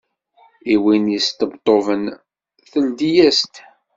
I win yesṭebṭuben, tleddi-as-d.